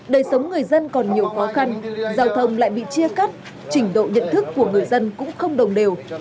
đời sống người dân còn nhiều khó khăn giao thông lại bị chia cắt trình độ nhận thức của người dân cũng không đồng đều